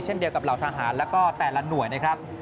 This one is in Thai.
เช่นเดียวกับเหล่าทหารแล้วก็แต่ละหน่วยนะครับ